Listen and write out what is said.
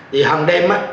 thì hằng đêm